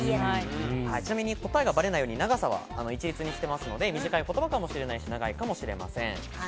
ちなみに答えがバレないように長さは一律にしていますので、短いかもしれないし、長いかもしれません。